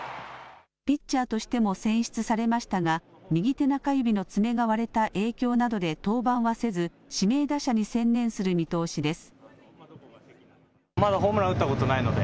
ピッチャーとしても選出されましたが右手中指の爪が割れた影響などで登板はせず指名打者に専念する見通しです。